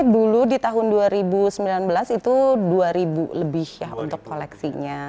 dulu di tahun dua ribu sembilan belas itu dua ribu lebih ya untuk koleksinya